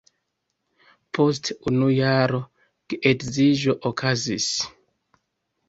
Post unu jaro geedziĝo okazis.